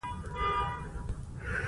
ډيپلومات د ستراتیژیکو اړیکو پل جوړوي.